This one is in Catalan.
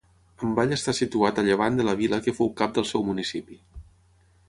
Envall està situat a llevant de la vila que fou cap del seu municipi.